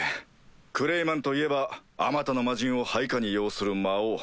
クレイマンといえばあまたの魔人を配下に擁する魔王。